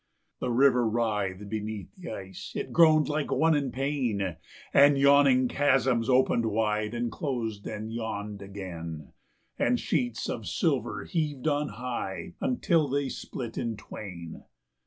The river writhed beneath the ice; it groaned like one in pain, And yawning chasms opened wide, and closed and yawned again; And sheets of silver heaved on high until they split in twain.